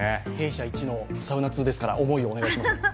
弊社いちのサウナ通ですから思いをお願いします。